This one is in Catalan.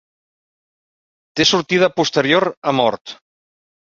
Té sortida posterior amb hort.